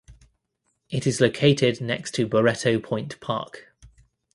It is located next to Barretto Point Park.